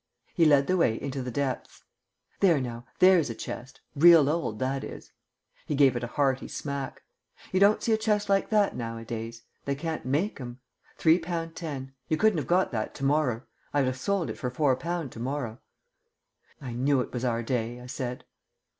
He led the way into the depths. "There now. There's a chest real old, that is." He gave it a hearty smack. "You don't see a chest like that nowadays. They can't make 'em. Three pound ten. You couldn't have got that to morrer. I'd have sold it for four pound to morrer." "I knew it was our day," I said.